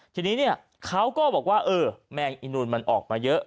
ทีนี้เขาก็บอกว่าแมงอีนูลมันออกมาเยอะ